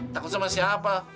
takut sama siapa